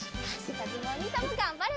かずむおにいさんもがんばれ！